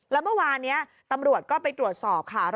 แล้วเมื่อวานนี้ตำรวจก็ไปตรวจสอบค่ะ